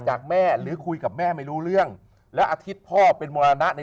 จากแม่หรือคุยกับแม่ไม่รู้เรื่องแล้วอาทิตย์พ่อเป็นมรณะใน